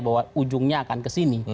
bahwa ujungnya akan ke sini